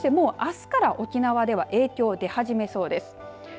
そしてもうあすから沖縄では影響が出始めそうです。